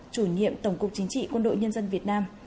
chủ nhiệm tổng cục chính trị quân đội nhân dân việt nam